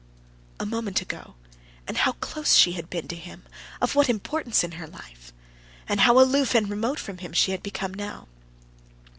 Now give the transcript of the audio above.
A moment ago, and how close she had been to him, of what importance in his life! And how aloof and remote from him she had become now!